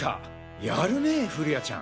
やるねぇ降谷ちゃん！